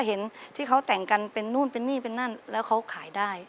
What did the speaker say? เห็นที่เขาแต่งกันเป็นนู่นเป็นนี่เป็นนั่นแล้วเขาขายได้